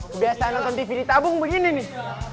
kebiasaan nonton tv di tabung begini nih